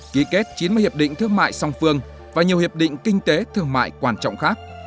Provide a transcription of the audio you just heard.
ký kết chín mươi hiệp định thương mại song phương và nhiều hiệp định kinh tế thương mại quan trọng khác